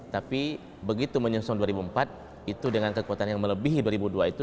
tapi begitu menyusun dua ribu empat itu dengan kekuatan yang melebihi dua ribu dua itu